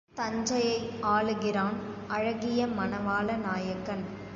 தஞ்சையை ஆளுகிறான் அழகிய மணவாள நாயக்கன்.